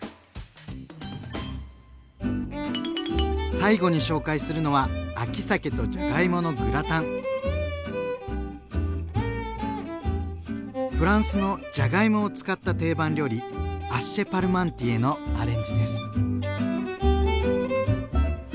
最後に紹介するのはフランスのじゃがいもを使った定番料理「アッシェ・パルマンティエ」のアレンジです。